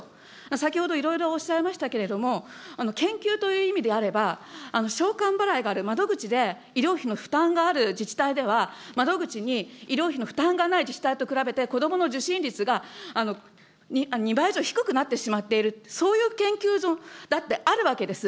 先ほどいろいろおっしゃいましたけれども、研究という意味であれば、償還払いがある窓口で医療費の負担がある自治体では、窓口に医療費の負担がない自治体と比べて、子どもの受診率が２倍以上低くなってしまっている、そういう研究だってあるわけです。